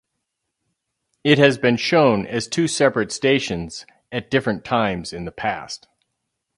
It has been shown as two separate stations at different times in the past.